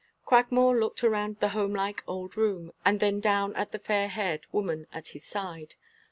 Cragmore looked around the homelike old room, and then down at the fair haired woman at his side.